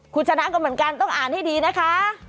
คุณชนะก็เหมือนกันต้องอ่านให้ดีนะคะ